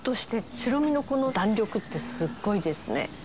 白身のこの弾力ってすごいですね。